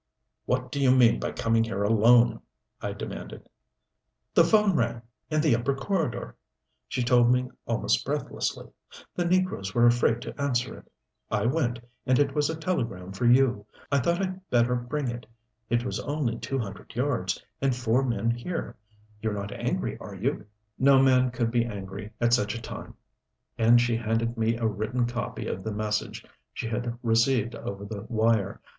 "What do you mean by coming here alone?" I demanded. "The phone rang in the upper corridor," she told me almost breathlessly. "The negroes were afraid to answer it. I went and it was a telegram for you. I thought I'd better bring it it was only two hundred yards, and four men here. You're not angry, are you?" No man could be angry at such a time; and she handed me a written copy of the message she had received over the wire.